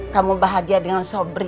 kamu bahagia dengan sobri